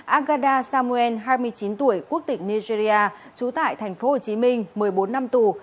agada samuen hai mươi chín tuổi quốc tịch nigeria trú tại tp hcm một mươi bốn năm tù